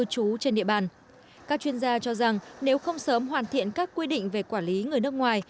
các chuyên gia cho rằng nếu không sớm hoàn thiện các quy định về quản lý người nước ngoài